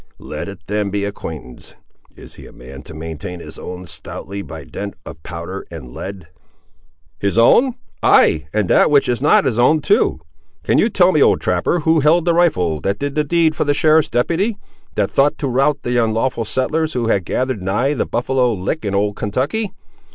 Let it then be acquaintance. Is he a man to maintain his own, stoutly by dint of powder and lead?" "His own! ay, and that which is not his own, too! Can you tell me, old trapper, who held the rifle that did the deed for the sheriff's deputy, that thought to rout the unlawful settlers who had gathered nigh the Buffaloe lick in old Kentucky?